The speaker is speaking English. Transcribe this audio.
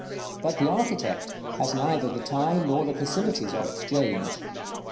But the architect has neither the time nor the facilities of exchange.